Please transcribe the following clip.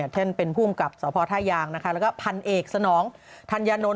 แท่นเป็นผู้กับสภพท่ายางแล้วก็พันธุ์เอกสนองทันยานนท์